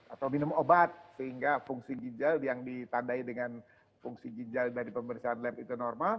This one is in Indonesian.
atau minum obat sehingga fungsi ginjal yang ditandai dengan fungsi ginjal dari pemeriksaan lab itu normal